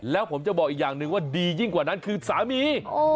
แล้วผมจะบอกอีกอย่างหนึ่งว่าดียิ่งกว่านั้นคือสามี